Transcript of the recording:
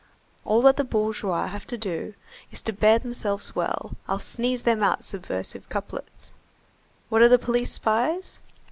All that the bourgeois have to do is to bear themselves well, I'll sneeze them out subversive couplets. What are the police spies?